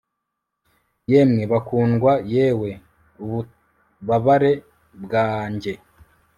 Yemwe bakundwa yewe ububabare bwanjye